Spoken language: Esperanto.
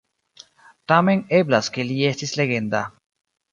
Tamen eblas ke li estis legenda.